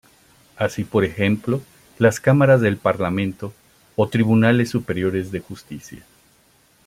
Así por ejemplo, las Cámaras del Parlamento, o Tribunales Superiores de Justicia.